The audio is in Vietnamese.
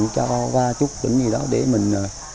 cho ba chút tỉnh gì đó để mình